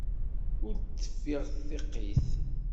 Ur d-teffiɣ tiqit.